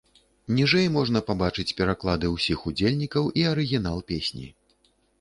Ніжэй можна пабачыць пераклады ўсіх удзельнікаў і арыгінал песні.